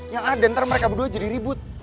yang ada ntar mereka berdua jadi ribut